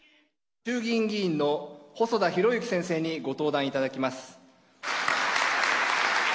衆議院議員の細田博之先生にご登壇いただきます。